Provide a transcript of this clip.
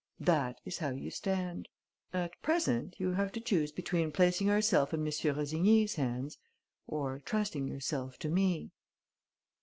That is how you stand. At present you have to choose between placing yourself in M. Rossigny's hands ... or trusting yourself to me."